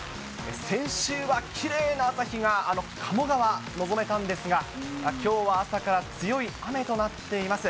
先週はきれいな朝日がかもがわ、望めたんですが、きょうは朝から強い雨となっています。